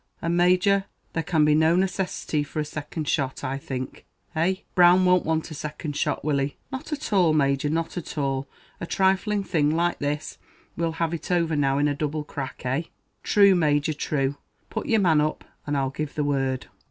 "And, Major, there can be no necessity for a second shot, I think eh? Brown won't want a second shot, will he?" "Not at all, Major, not at all; a trifling thing like this we'll have it over now in a double crack, eh?" "True, Major, true; put your man up, and I'll give the word."